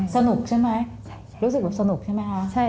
สนุกใช่ไหมรู้สึกแบบสนุกใช่ไหมคะ